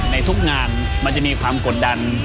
ในทุกงานมันจะมีความกดดัน